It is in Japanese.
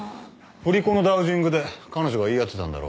振り子のダウジングで彼女が言い当てたんだろ。